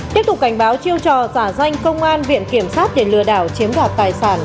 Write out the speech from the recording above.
tiếp tục cảnh báo chiêu trò giả danh công an viện kiểm sát để lừa đảo chiếm đoạt tài sản